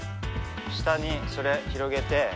下にそれ広げて。